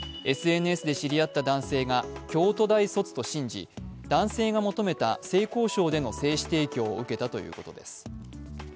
ＳＮＳで知り合った男性が京都大卒と信じ、男性が求めた、性交渉での精子提供を受けたということです。